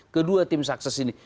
kedua tim sukses ini